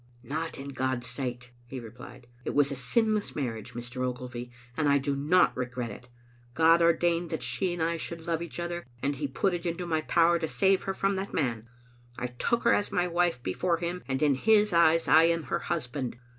" Not in God's sight," he replied. " It was a sinless marriage, Mr. Ogilvy, and I do not regret it God ordained that she and I should love each other, and He put it into my power to save her from that man. I took her as my wife before Him, and in His eyes I am her husband.